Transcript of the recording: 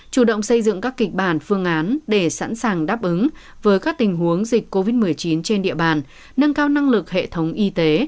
chủ động xây dựng các kịch bản phương án để sẵn sàng đáp ứng với các tình huống dịch covid một mươi chín trên địa bàn nâng cao năng lực hệ thống y tế